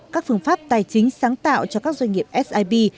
các phương pháp tài chính sáng tạo cho các doanh nghiệp sip